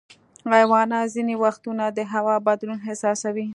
حیوانات ځینې وختونه د هوا بدلون احساسوي.